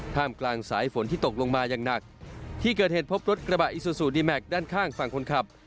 กลางสายฝนที่ตกลงมาอย่างหนักที่เกิดเหตุพบรถกระบะอิซูซูดีแม็กซด้านข้างฝั่งคนขับ